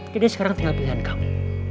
jadi sekarang tinggal pilihan kamu